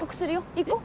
行こう。